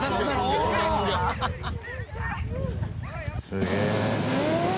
すげえ。